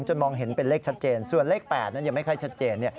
มองเห็นเป็นเลขชัดเจนส่วนเลข๘นั้นยังไม่ค่อยชัดเจน